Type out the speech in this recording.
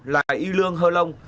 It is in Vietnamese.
là y lương hơ long